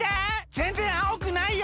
ぜんぜん青くないよ！